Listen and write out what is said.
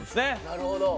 なるほど。